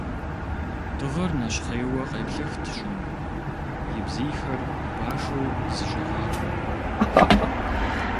Дыгъэр нэщхъейуэ къеплъыхт щӀым и бзийхэр, башу зыщӀигъакъуэу.